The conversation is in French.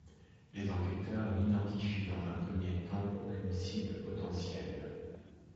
Les enquêteurs n'identifient, dans un premier temps, aucune cible potentielle.